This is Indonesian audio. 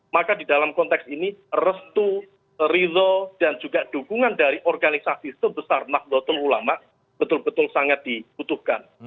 maka di dalam konteks ini restu rizal dan juga dukungan dari organisasi sebesar nahdlatul ulama betul betul sangat dibutuhkan